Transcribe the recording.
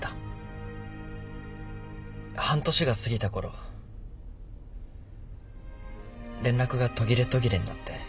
半年が過ぎたころ連絡が途切れ途切れになって。